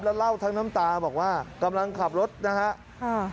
แล้วเล่าทั้งน้ำตาบอกว่ากำลังขับรถนะฮะค่ะ